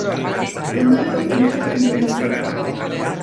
Ma mare m'ha comprat un bolígraf blau.